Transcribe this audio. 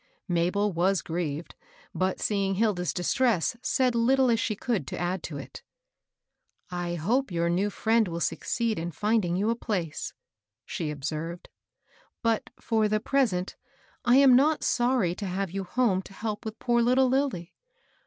Mabel was grieved, but, seeing Hilda's distress, said little as she could to add to it. " I hope your new friend will succeed in finding you a place," she observed. " But, for the pres ent, I am not sorry to have you home to help with poor Ettle Lilly.